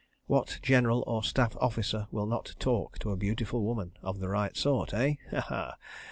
What General or Staff Officer will not "talk" to a beautiful woman—of the right sort? Eh? Ha Ha!